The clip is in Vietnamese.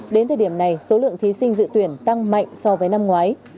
đến thời điểm này số lượng thí sinh dự tuyển tăng mạnh so với năm ngoái